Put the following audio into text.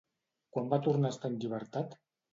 Quan va tornar a estar en llibertat?